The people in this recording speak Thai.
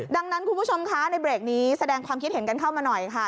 ดังนั้นคุณผู้ชมคะในเบรกนี้แสดงความคิดเห็นกันเข้ามาหน่อยค่ะ